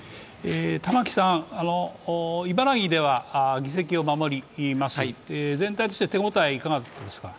玉木さん、茨城では議席を守り、全体として手応え、いかがですか？